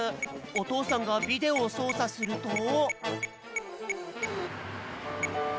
おとうさんがビデオをそうさすると。